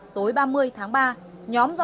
tối ba mươi tháng ba nhóm do